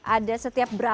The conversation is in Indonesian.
ada setiap berapa